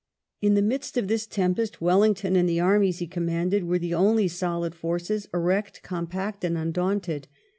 In the midst of this tempest Wellington and the armies he commanded were the only solid forces, erect, compact, and undaunted.